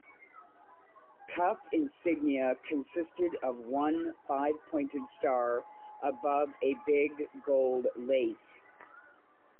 Cuff insignia consisted of one five-pointed star above a big gold lace.